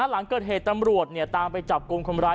หลังเกิดเหตุตำรวจตามไปจับกลุ่มคนร้าย